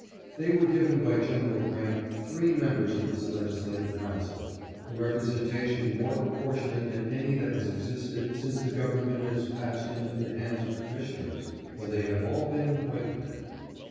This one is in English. They were given by Gen. Grant, three members of this legislative council — a representation more proportionate than any that has existed since the government has passed into the hands of commissioners, for they have all been white men.